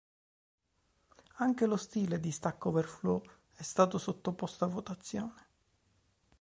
Anche lo stile di Stack Overflow è stato sottoposto a votazione.